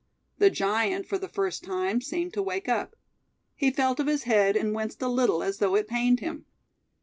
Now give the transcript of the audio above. The giant for the first time, seemed to wake up. He felt of his head, and winced a little as though it pained him.